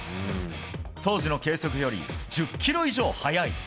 当時の計測より１０キロ以上速い。